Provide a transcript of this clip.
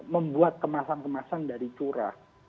membuat kemasan kemasan dari curah